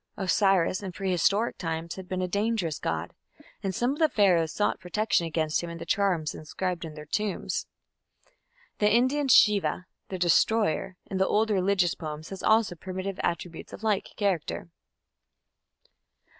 Osiris in prehistoric times had been "a dangerous god", and some of the Pharaohs sought protection against him in the charms inscribed in their tombs. The Indian Shiva, "the Destroyer", in the old religious poems has also primitive attributes of like character.